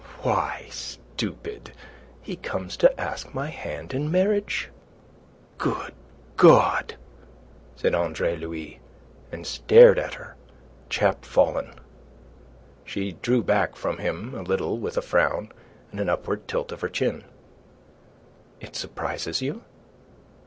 "Why, stupid, he comes to ask my hand in marriage." "Good God!" said Andre Louis, and stared at her, chapfallen. She drew back from him a little with a frown and an upward tilt of her chin. "It surprises you?"